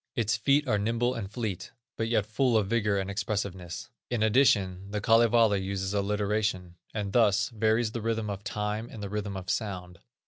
Its feet are nimble and fleet, but yet full of vigor and expressiveness. In addition, the Kalevala uses alliteration, and thus varies the rhythm of time with the rhythm of sound.